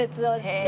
はい。